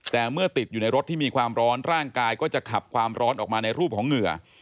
แต่เมื่อติดอยู่ในรถที่มีความร้อนร่างกายก็จะขับความร้อนออกมาในรูปของเหงื่อ